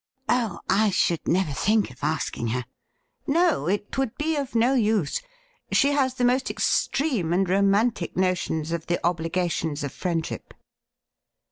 ' Oh, I should never think of asking her.' ' No, it would be of no use. She has the most extreme and romantic notions of the obligations of friendship.'